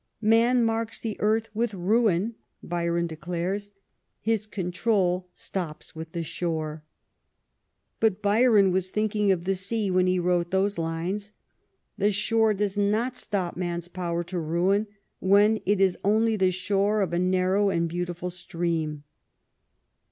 "Man marks the earth with ruin," Byron declares —" his control stops with the shore." But Byron was thinking of the sea when he wrote those lines — the shore does not stop man^s power to ruin when it is only the shore of a narrow and beautiful stream.